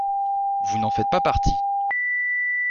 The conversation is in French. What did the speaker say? Vous n’en faites pas partie.